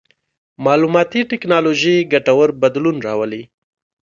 مالوماتي ټکنالوژي ګټور بدلون راولي.